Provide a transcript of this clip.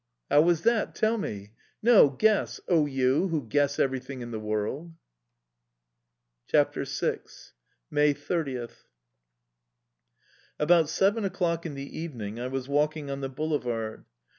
"How was that? Tell me." "No, guess! O, you who guess everything in the world!" CHAPTER VI. 30th May. ABOUT seven o'clock in the evening, I was walking on the boulevard.